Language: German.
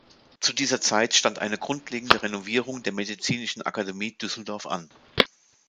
Zu dieser Zeit stand eine grundlegende Renovierung der Medizinischen Akademie Düsseldorf an.